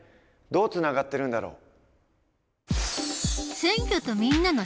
どうつながってるんだろう？